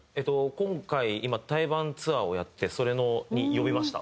今回今対バンツアーをやってそれに呼びました。